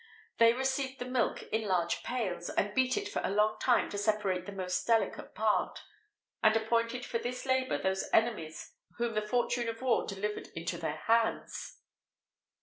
They received the milk in large pails, and beat it for a long time to separate the most delicate part, and appointed for this labour those enemies whom the fortune of war delivered into their hands.